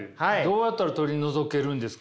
どうやったら取り除けるんですか？